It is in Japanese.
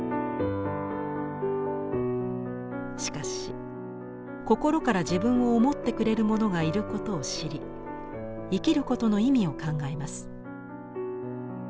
しかし心から自分を思ってくれる者がいることを知り生きることの意味を考えます。